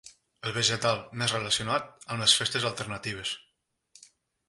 El vegetal més relacionat amb les festes alternatives.